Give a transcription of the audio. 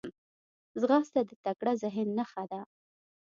ځغاسته د تکړه ذهن نښه ده